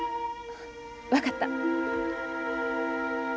分かった。